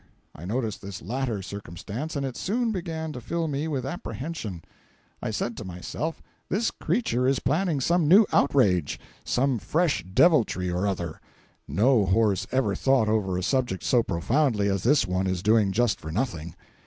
I noticed this latter circumstance, and it soon began to fill me with apprehension. I said to my self, this creature is planning some new outrage, some fresh deviltry or other—no horse ever thought over a subject so profoundly as this one is doing just for nothing.